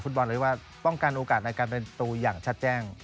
ด้วยระม้า